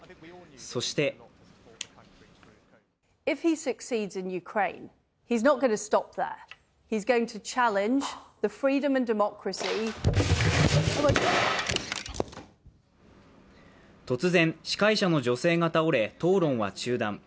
そして突然、司会者の女性が倒れ、討論は中断。